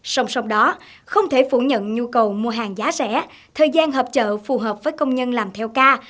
song song đó không thể phủ nhận nhu cầu mua hàng giá rẻ thời gian hợp chợ phù hợp với công nhân làm theo ca